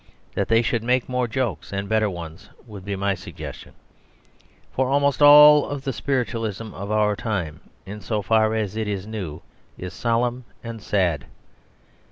That they should make more jokes and better ones, would be my suggestion. For almost all the spiritualism of our time, in so far as it is new, is solemn and sad.